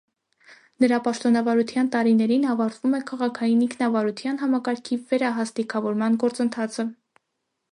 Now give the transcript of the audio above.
Նրա պաշտոնավարության տարիներին ավարտվում է քաղաքային ինքնավարության համակարգի վերահաստիքավորման գործընթացը։